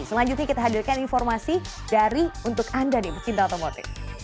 selanjutnya kita hadirkan informasi dari untuk anda nih pecinta otomotif